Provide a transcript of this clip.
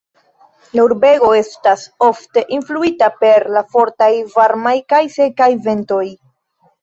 La urbego estas ofte influita per la fortaj, varmaj kaj sekaj ventoj.